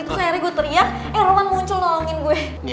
terus akhirnya gue teriak eh roman muncul lolongin gue